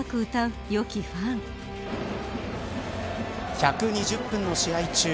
１２０分の試合中